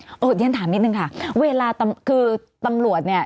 เดี๋ยวฉันถามนิดนึงค่ะเวลาคือตำรวจเนี่ย